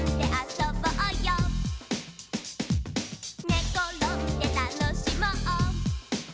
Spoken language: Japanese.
「ねころんでたのしもう」